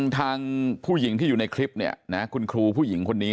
ทางผู้หญิงที่อยู่ในคลิปเนี่ยนะคุณครูผู้หญิงคนนี้